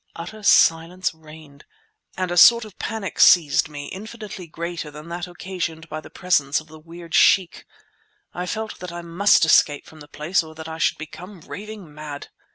Utter silence reigned, and a sort of panic seized me infinitely greater than that occasioned by the presence of the weird Sheikh. I felt that I must escape from the place or that I should become raving mad.